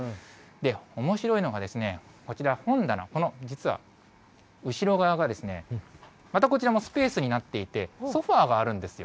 おもしろいのが、こちら、本棚、実は後ろ側がですね、またこちらもスペースになっていて、ソファーがあるんですよ。